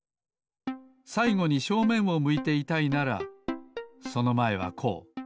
さいごに正面を向いていたいならそのまえはこう。